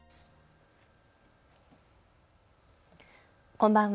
こんばんは。